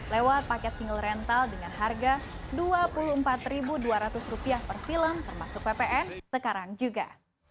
lewat paket single rental dengan harga rp dua puluh empat dua ratus per film termasuk ppn sekarang juga